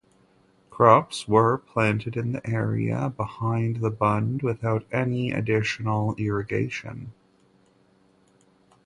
Crops were planted in the area behind the bund without any additional irrigation.